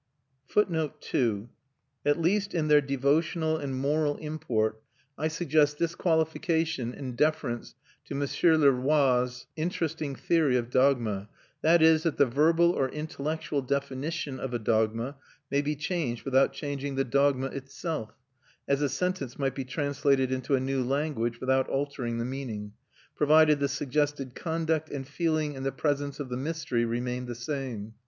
[Footnote 2: At least in their devotional and moral import. I suggest this qualification in deference to M. Le Roy's interesting theory of dogma, viz., that the verbal or intellectual definition of a dogma may be changed without changing the dogma itself (as a sentence might be translated into a new language without altering the meaning) provided the suggested conduct and feeling in the presence of the mystery remained the same.